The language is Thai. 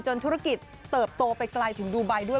ธุรกิจเติบโตไปไกลถึงดูไบด้วย